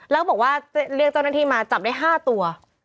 แล้วบอกว่าเรียกเจ้าหน้าที่มาจับได้๕ตัว